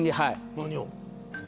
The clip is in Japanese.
何を？